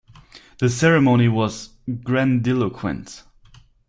The ceremony was grandiloquent.